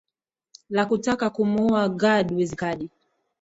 la kutaka kumuua guard wizikadi